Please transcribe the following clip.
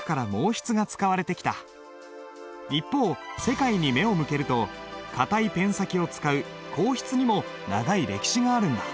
一方世界に目を向けると硬いペン先を使う硬筆にも長い歴史があるんだ。